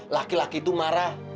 laki laki itu marah